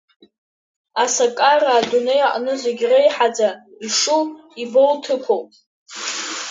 Асакара адунеи аҟны зегьы реиҳаӡа ишу, ибоу ҭыԥуп.